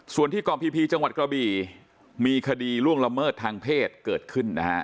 ส่วนที่กองพีพีจังหวัดกระบี่มีคดีล่วงละเมิดทางเพศเกิดขึ้นนะฮะ